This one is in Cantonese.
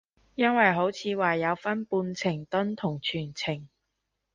因為好似話有分半程蹲同全程